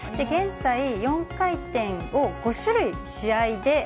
現在、４回転を５種類、試合で。